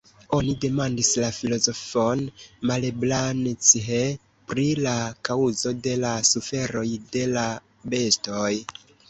Oni demandis la filozofon Malebranche pri la kaŭzo de la suferoj de la bestoj.